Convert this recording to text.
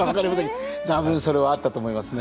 多分それはあったと思いますね。